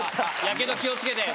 やけど気を付けて。